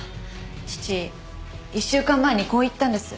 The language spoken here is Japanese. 父１週間前にこう言ったんです。